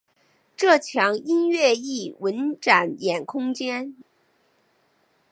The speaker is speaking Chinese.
这墙音乐艺文展演空间。